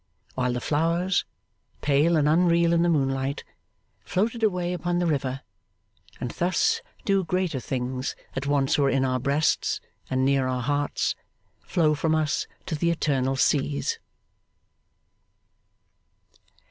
While the flowers, pale and unreal in the moonlight, floated away upon the river; and thus do greater things that once were in our breasts, and near our hearts, flow from us to the eternal seas.